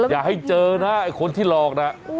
อย่าให้เจอนะไอ้คนที่หลอกน่ะ